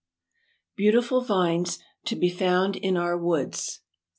BEAUTIFUL VINES TO BE FOUND IN OUR WILD WOODS III.